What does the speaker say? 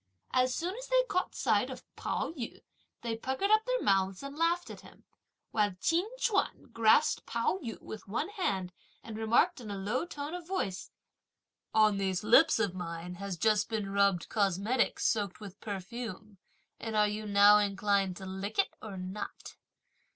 As soon as they caught sight of Pao yü, they puckered up their mouths and laughed at him; while Chin Ch'uan grasped Pao yü with one hand, and remarked in a low tone of voice: "On these lips of mine has just been rubbed cosmetic, soaked with perfume, and are you now inclined to lick it or not?"